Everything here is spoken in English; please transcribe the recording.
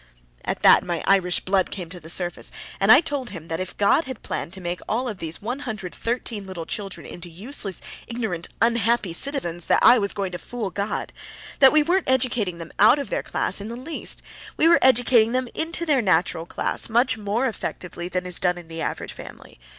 At that my Irish blood came to the surface, and I told him that if God had planned to make all of these 113 little children into useless, ignorant, unhappy citizens, I was going to fool God! That we weren't educating them out of their class in the least. We were educating them INTO their natural class much more effectually than is done in the average family.